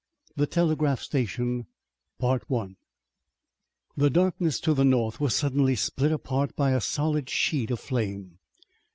THE TELEGRAPH STATION The darkness to the north was suddenly split apart by a solid sheet of flame.